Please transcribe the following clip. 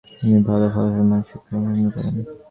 তিনি ভাল ফলাফলসহ মাধযমিক শিক্ষাসম্পন্ন করেন।